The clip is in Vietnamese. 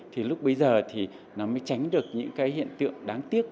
thì lúc bây giờ thì nó mới tránh được những cái hiện tượng đáng tiếc